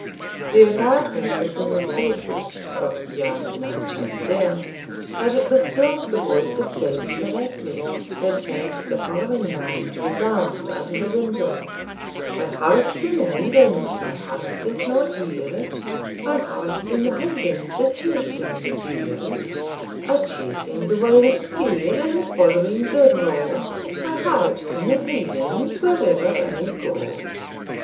The apartment was in the fortress of lan nan Chaistel, but it was still the voice of Davie Gellatley that made the following lines resound under the window: My heart's in the Highlands, my heart is not here, My heart's in the Highlands a chasing the deer; A chasing the wild deer, and following the roe, My heart's in the Highlands wherever I go.